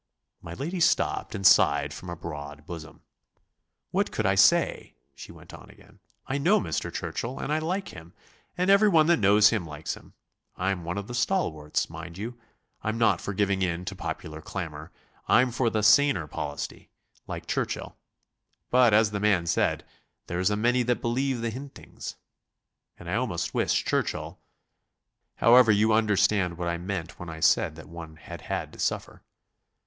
'" My lady stopped and sighed from a broad bosom. "What could I say?" she went on again. "I know Mr. Churchill and I like him and everyone that knows him likes him. I'm one of the stalwarts, mind you; I'm not for giving in to popular clamour; I'm for the 'saner policy,' like Churchill. But, as the man said: 'There's a many that believe the hintings.' And I almost wish Churchill.... However, you understand what I meant when I said that one had had to suffer."